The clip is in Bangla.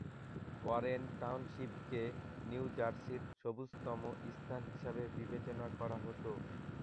ওয়ারেন টাউনশিপকে নিউ জার্সির সবুজতম স্থান হিসেবে বিবেচনা করা হতো।